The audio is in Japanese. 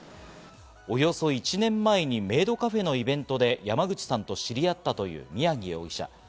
およそ１年前にメイドカフェのイベントで山口さんと知り合ったという宮城容疑者。